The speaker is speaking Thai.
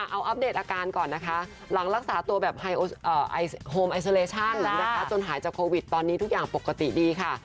เอาอัปเดตอาการก่อนนะคะหลังรักษาตัวแบบโฮมไอซาเลชั่นนะคะจนหายจากโควิดตอนนี้ทุกอย่างปกติดีค่ะ